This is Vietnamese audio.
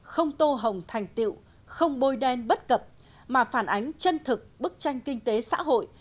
không tô hồng thành tiệu không bôi đen bất cập mà phản ánh chân thực bức tranh kinh tế xã hội